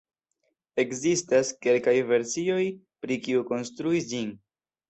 Ekzistas kelkaj versioj pri kiu konstruis ĝin.